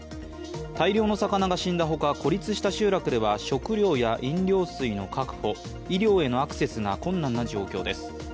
大量の魚が死んだほか、孤立した集落では食糧や飲料水の確保、医療へのアクセスが困難な状況です。